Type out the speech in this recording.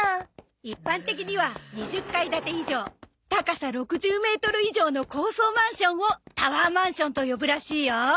一般的には２０階建て以上高さ６０メートル以上の高層マンションをタワーマンションと呼ぶらしいよ。